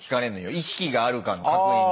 意識があるかの確認で。